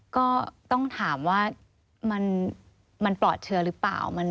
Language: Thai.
ก็ต้องถามว่ามันปลอดเชื้อหรือเปล่า